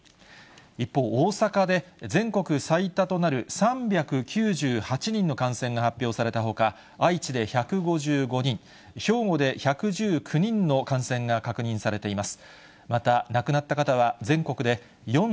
一方、大阪で全国最多となる３９８人の感染が発表されたほか、愛知で１５５人、兵庫で１１９人の感染が確認されています。